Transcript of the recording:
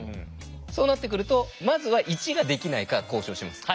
そうなってくるとまずは１ができないか交渉します。